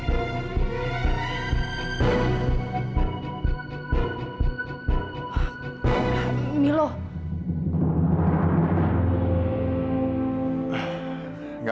gak aku ngapain ya